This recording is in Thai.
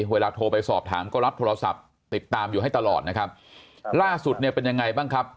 เวลาโทรไปสอบถามก็รับโทรศัพท์ติดตามอยู่ให้ตลอดนะครับล่าสุดเนี่ยเป็นยังไงบ้างครับ